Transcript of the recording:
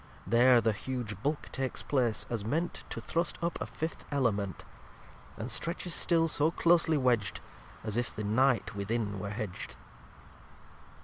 There the huge Bulk takes place, as ment To thrust up a Fifth Element; And stretches still so closely wedg'd As if the Night within were hedg'd.